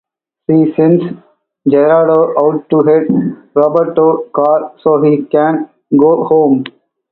She sends Gerardo out to get Roberto's car so he can go home.